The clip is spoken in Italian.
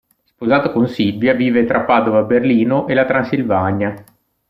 Sposato con Silvia, vive tra Padova, Berlino e la Transilvania.